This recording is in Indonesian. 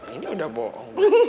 ini udah bohong